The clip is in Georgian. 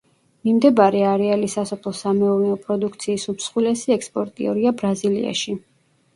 მიმდებარე არეალი სასოფლო-სამეურნეო პროდუქციის უმსხვილესი ექსპორტიორია ბრაზილიაში.